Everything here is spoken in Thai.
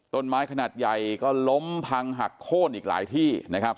ต้นไม้ขนาดใหญ่ก็ล้มพังหักโค้นอีกหลายที่นะครับ